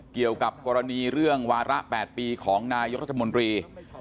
เกี่ยวกับกรณีเรื่องวาระ๘ปีของนายกรัฐมนตรี